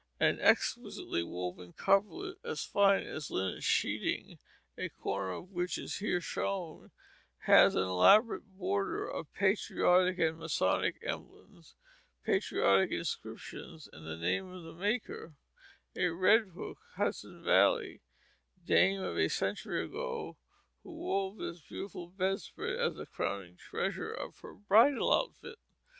An exquisitely woven coverlet as fine as linen sheeting, a corner of which is here shown, has an elaborate border of patriotic and Masonic emblems, patriotic inscriptions, and the name of the maker, a Red Hook, Hudson valley, dame of a century ago, who wove this beautiful bedspread as the crowning treasure of her bridal outfit.